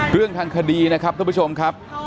เรื่องทางคดีนะครับท่านผู้ชมครับ